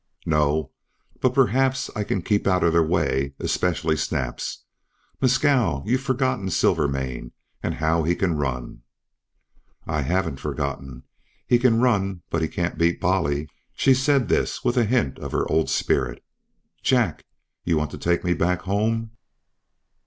"No. But perhaps I can keep out of their way, especially Snap's. Mescal, you've forgotten Silvermane, and how he can run." "I haven't forgotten. He can run, but he can't beat Bolly." She said this with a hint of her old spirit. "Jack you want to take me back home?"